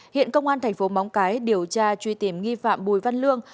hiện công an thành phố móng cái điều tra truy tìm nghi phạm bùi văn lương